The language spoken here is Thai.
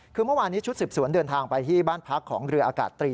คือเมื่อวานนี้ชุดสืบสวนเดินทางไปที่บ้านพักของเรืออากาศตรี